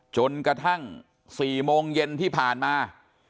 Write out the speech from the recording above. จนกระทั่ง๔โมงเย็นที่ผ่านมา